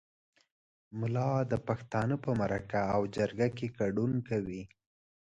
ملا د پښتانه په مرکه او جرګه کې ګډون کوي.